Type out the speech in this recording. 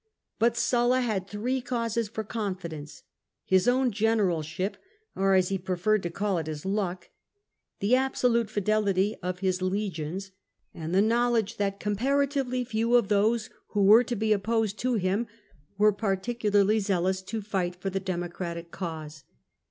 But Sulla had three causes for confidence — his own general ship (or, as he preferred to call it, his luck), the absolute fidelity of his legions, and the knowledge that compara tively few of those who were to be opposed to him were particularly zealous to fight for the Democratic cause.